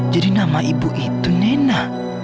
jadi nama ibu itu nena